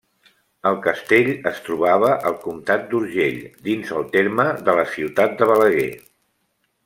El castell es trobava al comtat d'Urgell, dins el terme de la ciutat de Balaguer.